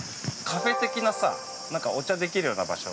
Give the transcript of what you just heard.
カフェ的なさ、なんかお茶できるような場所。